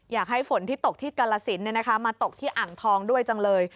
อยากให้ฝนที่ตกที่กาลสินมาตกที่อ่างทองด้วยจังเลย